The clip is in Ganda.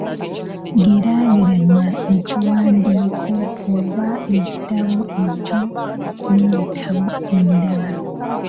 Geeraageranya ekiwandiiko oba ekitabo ekyo n'ebitabo ebirala.